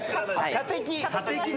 射的。